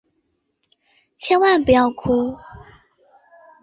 千万不要哭！